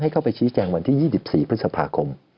เข้าไปชี้แจงวันที่๒๔พฤษภาคม